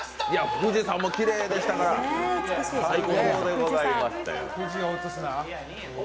富士山もきれいでしたから、最高でございましたよ。